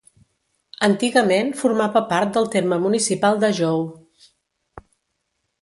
Antigament formava part del terme municipal de Jou.